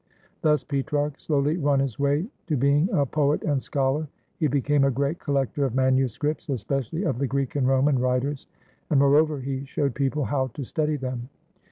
Thus Petrarch slowly won his way to being a poet and scholar. He became a great collector of manu scripts, especially of the Greek and Roman writers; and, moreover, he showed people how to study them.